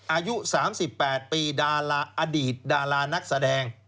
อายุ๓๘ปีอดีตดารานักแสดง